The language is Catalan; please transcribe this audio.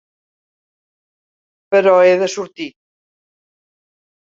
Però he de sortir.